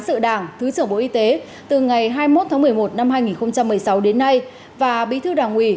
sự đảng thứ trưởng bộ y tế từ ngày hai mươi một tháng một mươi một năm hai nghìn một mươi sáu đến nay và bí thư đảng ủy